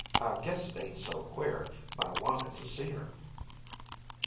I guess it ain't so queer, my wanting to see her."